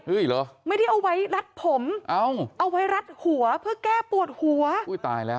เหรอไม่ได้เอาไว้รัดผมเอาเอาไว้รัดหัวเพื่อแก้ปวดหัวอุ้ยตายแล้ว